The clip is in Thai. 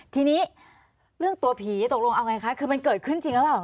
ทีนี้เรื่องตัวผีตกลงเอาไงคะคือมันเกิดขึ้นจริงหรือเปล่า